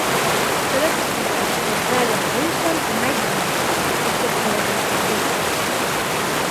Todas escritas por Brian Wilson y Mike Love, excepto donde se indica.